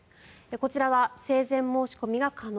こちらは生前申し込みが可能。